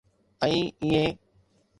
۽ ايئن.